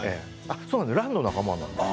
ランの仲間なんですよ。